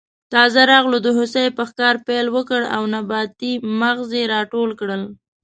تازه راغلو د هوسۍ په ښکار پیل وکړ او نباتي مغز یې راټول کړل.